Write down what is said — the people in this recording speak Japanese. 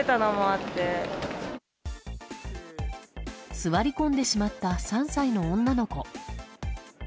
座り込んでしまった３歳の女の子。